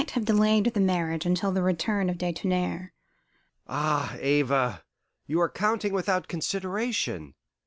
"He might have delayed the marriage until the return of de Tounnerre." "Ah, Ava! you are counting without consideration.